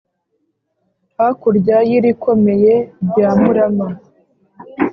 Hakurya y’irikomeye rya Murama,